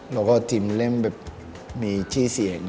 แล้วก็ทีมเล่มแบบมีชื่อเสียง